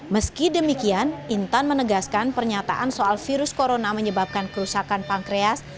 meski demikian intan menegaskan pernyataan soal virus corona menyebabkan kerusakan pankreas